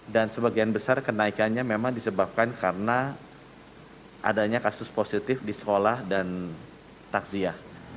dan sebagian besar kenaikannya memang disebabkan karena adanya kasus positif di sekolah dan takziah